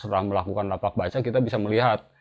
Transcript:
setelah melakukan lapak baca kita bisa melihat